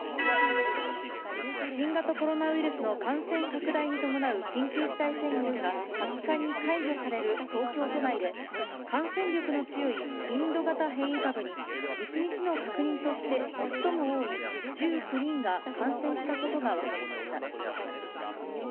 新型コロナウイルスの感染拡大に伴う緊急事態宣言が２０日に解除される東京都内で、感染力の強いインド型変異株に、１日の確認として最も多い１９人が感染したことが分かりました。